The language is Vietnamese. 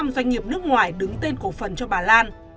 năm doanh nghiệp nước ngoài đứng tên cổ phần cho bà lan